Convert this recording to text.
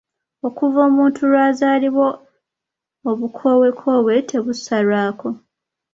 Okuva omuntu lw’azaalibwa obukoowekoowe tebusalwako.